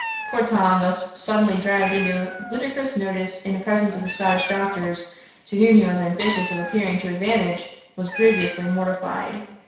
Poor Tom being thus suddenly dragged into ludicrous notice in presence of the Scottish Doctors, to whom he was ambitious of appearing to advantage, was grievously mortified.